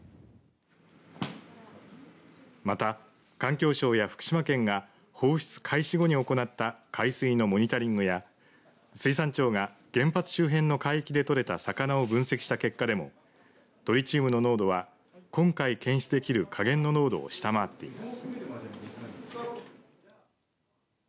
また、環境省や福島県が放出開始後に行った海水のモニタリングや水産庁が原発周辺の海域で取れた魚を分析した結果でもトリチウムの濃度は今回検出できる下限の濃度を下回っています。